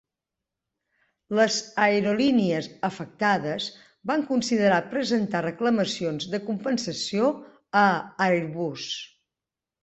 Les aerolínies afectades van considerar presentar reclamacions de compensació a Airbus.